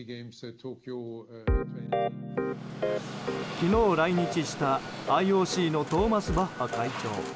昨日来日したＩＯＣのトーマス・バッハ会長。